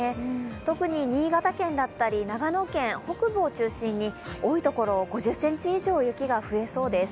特に新潟県だったり長野県北部を中心に多いところ５０ｃｍ以上雪が増えそうです。